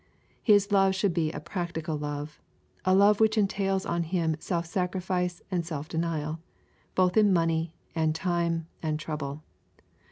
His love should be a practical love, a love which entails on him self sacrifice and self denial, both in money, and time, and trouble.